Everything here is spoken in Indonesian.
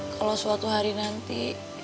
kalau suatu hari nanti